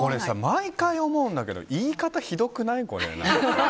毎回思うんだけど言い方ひどくない？